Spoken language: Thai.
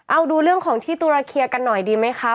เอาดูเรื่องของที่ตุรเคียกันหน่อยดีไหมคะ